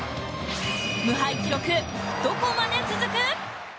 無敗記録、どこまで続く？